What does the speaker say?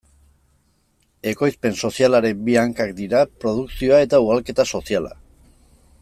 Ekoizpen sozialaren bi hankak dira produkzioa eta ugalketa soziala.